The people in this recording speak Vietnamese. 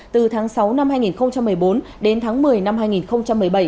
từ tháng sáu năm hai nghìn một mươi bốn đến tháng một mươi năm hai nghìn một mươi bảy